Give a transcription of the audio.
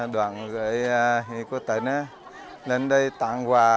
đoàn của tỉnh lên đây tặng quà